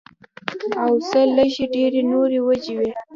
او څۀ لږې ډېرې نورې وجې وي